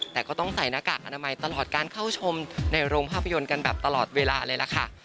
แต่ก็ต้องใส่หน้ากากอนามัยตลอดการเข้าชมในโรงภาพยนตร์กันแบบตลอดเวลาเลยล่ะค่ะ